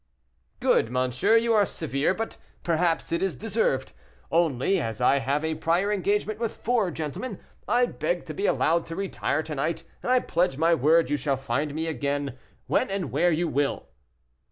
"Good, monsieur; you are severe, but, perhaps, it is deserved; only as I have a prior engagement with four gentlemen, I beg to be allowed to retire to night, and I pledge my word, you shall find me again, when and where you will."